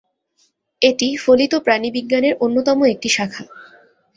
এটি ফলিত প্রাণিবিজ্ঞান এর অন্যতম একটি শাখা।